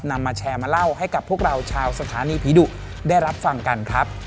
นำมาแชร์มาเล่าให้กับพวกเราชาวสถานีผีดุได้รับฟังกันครับ